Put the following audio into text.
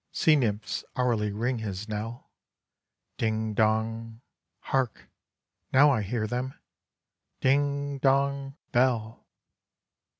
Sea Nymphs hourly ring his knell: Ding dong, Hark! now I hear them, Ding dong, bell!